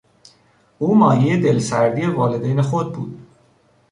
او مایهی دلسردی والدین خود بود.